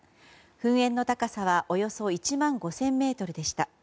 噴煙の高さはおよそ１万５０００ｍでした。